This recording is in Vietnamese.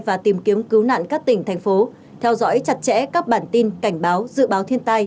và tìm kiếm cứu nạn các tỉnh thành phố theo dõi chặt chẽ các bản tin cảnh báo dự báo thiên tai